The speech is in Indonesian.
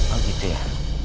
oh gitu ya